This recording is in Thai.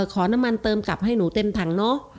ขอน้ำมันเติมกลับให้หนูเต็มถังเนอะ